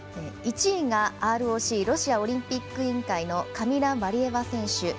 １位がＲＯＣ＝ロシアオリンピック委員会のカミラ・ワリエワ選手。